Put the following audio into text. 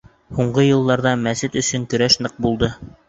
— Һуңғы йылдарҙа мәсет өсөн көрәш ныҡ булды.